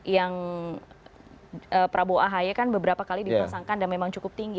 yang prabowo ahi kan beberapa kali dipasangkan dan memang cukup tinggi